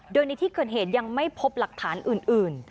โดยในที่เกิดเหตุยังไม่พบหลักฐานอื่น